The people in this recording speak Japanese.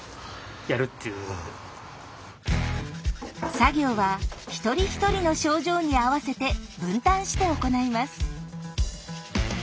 作業は一人一人の症状に合わせて分担して行います。